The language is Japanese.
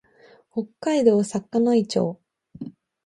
北海道幌加内町